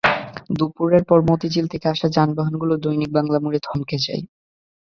দুপুরের পরে মতিঝিল থেকে আসা যানবাহনগুলো দৈনিক বাংলা মোড়ে থমকে যায়।